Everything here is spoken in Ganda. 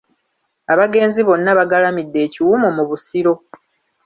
Abagenzi bonna bagalamidde e Kiwumu mu Busiro.